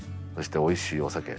そしておいしいお酒。